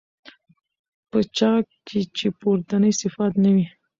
په چا كي چي پورتني صفات نه وي